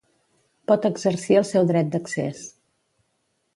pot exercir el seu dret d'accés